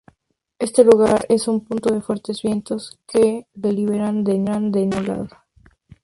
Este lugar es un punto de fuertes vientos, que le liberan de nieve acumulada.